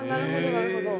なるほど。